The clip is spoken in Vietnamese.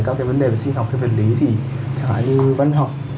các cái vấn đề về sinh học về phần lý thì chẳng hạn như văn học